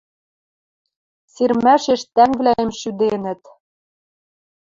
Сирмӓшеш тӓнгвлӓэм шӱденӹт.